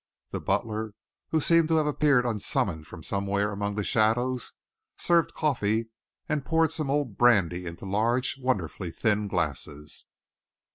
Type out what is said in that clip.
The butler, who seemed to have appeared unsummoned from somewhere among the shadows, served coffee and poured some old brandy into large and wonderfully thin glasses.